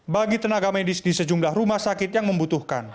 bagi tenaga medis di sejumlah rumah sakit yang membutuhkan